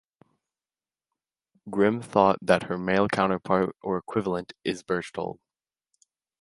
Grimm thought that her male counterpart or equivalent is Berchtold.